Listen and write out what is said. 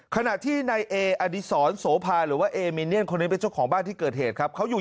ขณะที่นายเออดีศรโสภาหรือว่าเอมิเนียนคนนี้เป็นเจ้าของบ้านที่เกิดเหตุครับเขาอยู่